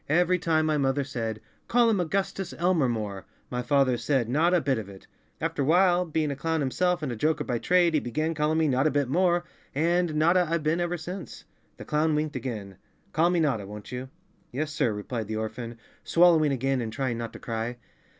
Every time my mother said, ' Call him Augustus Elmer More,' my father said, ' not a bit of it.' After while, being a clown himself and a joker by trade, he began calling me i Notta Bit More' and Notta I've been ever since." The clown winked again. " Call me Notta, won't you ?" "Yes, sir," replied the orphan, swallowing again and trying not to cry.